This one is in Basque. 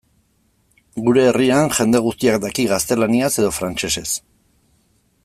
Gure herrian jende guztiak daki gaztelaniaz edo frantsesez.